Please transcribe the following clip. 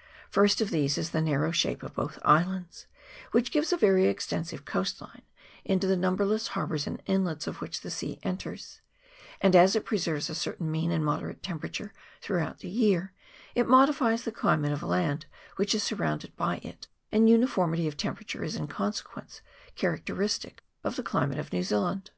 The first of these is the narrow shape of both islands, which gives a very extensive coast line, into the numberless harbours and inlets of which the sea enters ; and as it preserves a certain mean and moderate temperature throughout the year, it modifies the climate of land which is surrounded by it, and uniformity of temperature is in consequence characteristic of the climate of New Zealand.